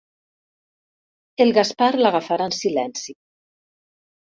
El Gaspar l'agafarà en silenci.